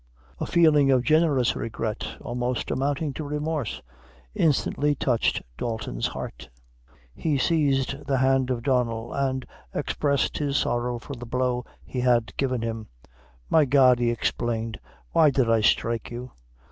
A feeling of generous regret, almost amounting to remorse, instantly touched Dalton's heart; he seized the hand of Donnel, and expressed his sorrow for the blow he had given him. "My God," he exclaimed, "why did I strike you?